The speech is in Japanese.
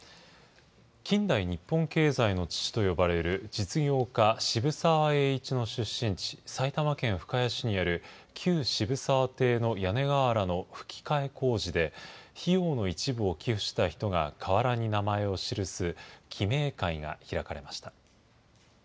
近代日本経済の父と呼ばれる実業家、渋沢栄一の出身地、埼玉県深谷市にある旧渋沢邸の屋根瓦のふき替え工事で、費用の一部を寄付した人が瓦に名前を記す記名会が開かれました。